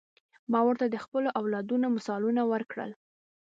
ما ورته د خپلو اولادونو مثالونه ورکړل.